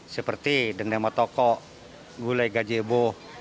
seperti dendeng batokok gulai gajebok